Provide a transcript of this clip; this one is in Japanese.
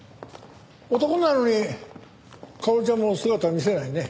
男なのに薫ちゃんも姿見せないね。